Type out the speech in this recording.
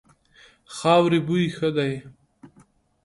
خاورې بوی ښه دی.